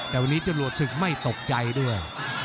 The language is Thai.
แต่วันนี้จรวดศึกไม่ตกใจด้วย